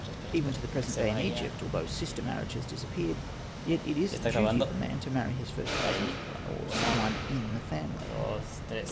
Even to the present day in Egypt, although sister marriage has dis appeared, yet it is the duty of a man to marry his first cousin or some one in the family.